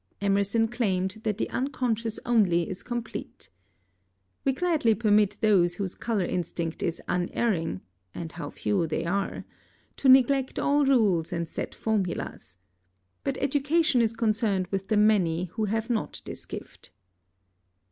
Emerson claimed that the unconscious only is complete. We gladly permit those whose color instinct is unerring (and how few they are!) to neglect all rules and set formulas. But education is concerned with the many who have not this gift.